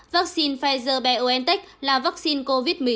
vaccine pfizer biontech là vaccine covid một mươi chín đầu tiên